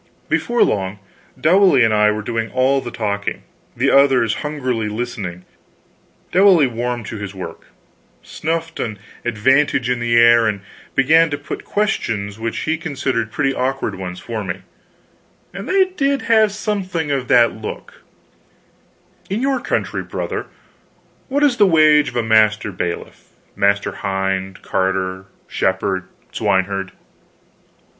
Before long, Dowley and I were doing all the talking, the others hungrily listening. Dowley warmed to his work, snuffed an advantage in the air, and began to put questions which he considered pretty awkward ones for me, and they did have something of that look: "In your country, brother, what is the wage of a master bailiff, master hind, carter, shepherd, swineherd?"